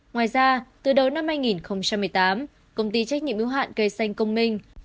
ngoài ra từ đầu năm hai nghìn một mươi tám công ty trách nhiệm ưu hạn cây xanh công minh